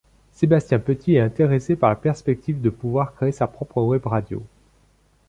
Sébastien Petit est intéressé par la perspective de pouvoir créer sa propre webradio.